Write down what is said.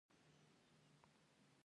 عدالت او برابرۍ ته لاسرسی پیدا شي.